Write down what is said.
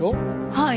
はい。